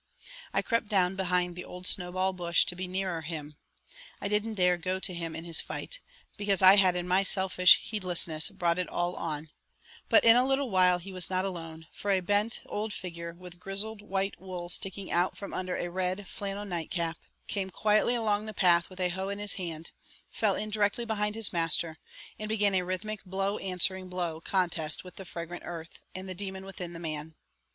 I crept down behind the old snowball bush to be nearer him; I didn't dare go to him in his fight, because I had in my selfish heedlessness brought it all on, but in a little while he was not alone, for a bent old figure with grizzled white wool sticking out from under a red flannel nightcap came quietly along the path with a hoe in his hand, fell in directly behind his master, and began a rhythmic blow answering blow contest with the fragrant earth and the demon within the man.